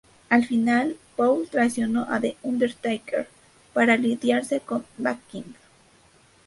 Al final, Paul traicionó a The Undertaker para aliarse con Mankind.